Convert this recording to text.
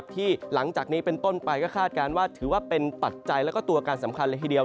ที่หลังจากนี้เป็นต้นไปก็คาดการณ์ว่าถือว่าเป็นปัจจัยแล้วก็ตัวการสำคัญเลยทีเดียว